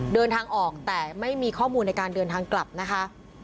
เดินทางออกแต่ไม่มีข้อมูลในการเดินทางกลับนะคะ